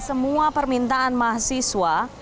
semua permintaan mahasiswa